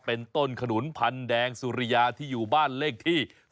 เป็นต้นขนุนพันแดงสุริยาที่อยู่บ้านเลขที่